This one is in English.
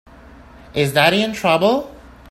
Is Daddy in trouble?